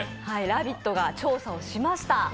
「ラヴィット！」が調査をしました。